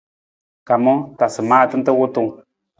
Kamang, tasa maata nta wutung.